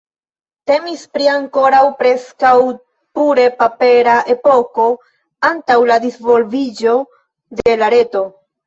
Temis pri ankoraŭ preskaŭ pure papera epoko antaŭ la disvastiĝo de la reto.